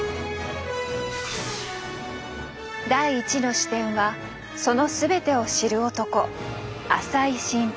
第１の視点はその全てを知る男浅井愼平。